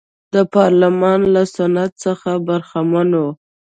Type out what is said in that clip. د پارلمان له سنت څخه برخمنه وه.